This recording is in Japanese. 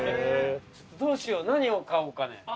どうしよう何を買おうかね。